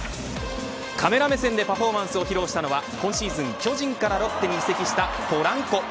カメラ目線でパフォーマンスを披露したのは今シーズン巨人からロッテに移籍したポランコ。